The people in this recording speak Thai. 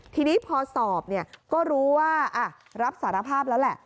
ทีนี้พอสอบก็รู้ว่ารับสารภาพแล้วแหละ